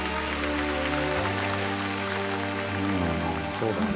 「そうだね」